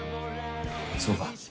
そうか。